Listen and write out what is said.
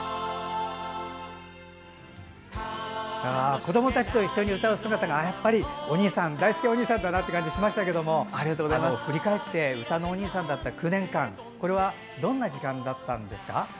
子どもたちと一緒に歌う姿がやっぱりだいすけおにいさんだなって感じがしましたけど振り返ってうたのおにいさんだった９年間はどんな時間でしたか？